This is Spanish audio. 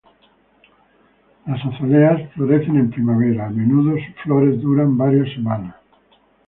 Las azaleas florecen en primavera, a menudo sus flores duran varias semanas.